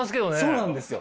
そうなんですよ。